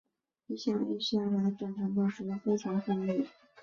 一项又一项的极权政策落实得非常顺利。